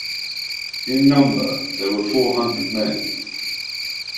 In number they were four hundred men.